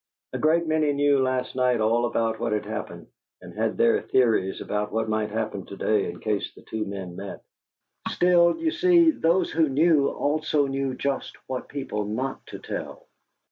A great many knew last night all about what had happened, and had their theories about what might happen to day in case the two men met. Still, you see, those who knew, also knew just what people not to tell.